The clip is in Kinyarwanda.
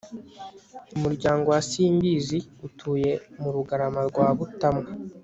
umuryango wa simbizi utuye mu rugarama rwa butamwa